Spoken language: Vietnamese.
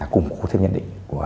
cùng khu thiết nhận định của